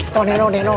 tau neng neng neng neng